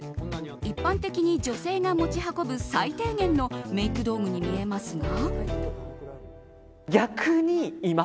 一般的に女性が持ち運ぶ最低限のメイク道具に見えますが。